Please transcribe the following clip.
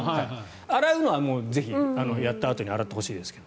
洗うのは、やったあとに洗ってほしいですが。